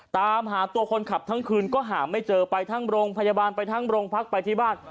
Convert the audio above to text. ตามหาตัวคนขับทั้งคืนก็หาไม่เจอไปทั้งโรงพยาบาลไปทั้งโรงพักไปที่บ้าน